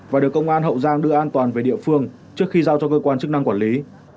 và được công an hậu giang đưa an toàn về địa phương trước khi giao cho cơ quan chức năng quản lý